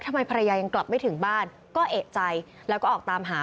ทำไมภรรยายังกลับไม่ถึงบ้านก็เอกใจแล้วก็ออกตามหา